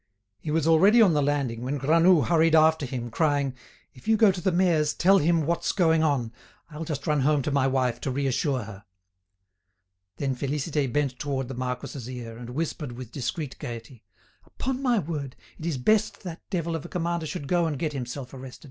He was already on the landing, when Granoux hurried after him, crying: "If you go to the mayor's tell him what's going on. I'll just run home to my wife to reassure her." Then Félicité bent towards the marquis's ear, and whispered with discreet gaiety: "Upon my word, it is best that devil of a commander should go and get himself arrested.